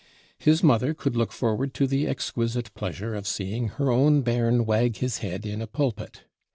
His mother could look forward to the exquisite pleasure of seeing "her own bairn wag his head in a pulpit!"